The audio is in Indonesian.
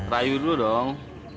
rayu dulu dong